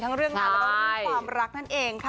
เรื่องงานแล้วก็เรื่องความรักนั่นเองค่ะ